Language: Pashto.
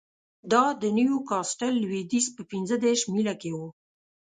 دا د نیوکاسټل لوېدیځ په پنځه دېرش میله کې و